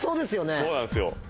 そうなんすよ。